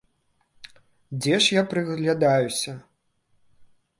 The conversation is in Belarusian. Дзе ж я прыглядаюся?